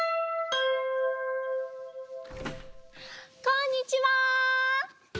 こんにちは！